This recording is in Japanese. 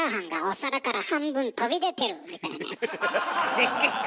絶景か。